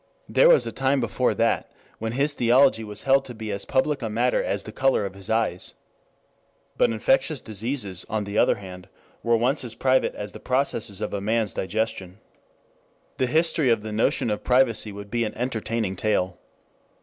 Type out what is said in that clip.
There was a time before that when his theology was held to be as public a matter as the color of his eyes. But infectious diseases, on the other hand, were once as private as the processes of a man's digestion. The history of the notion of privacy would be an entertaining tale.